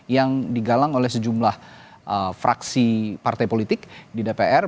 yang digalang oleh sejumlah fraksi partai politik di dpr